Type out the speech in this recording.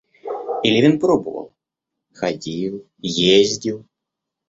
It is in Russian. И Левин пробовал, ходил, ездил.